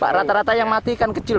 pak rata rata yang mati kan kecil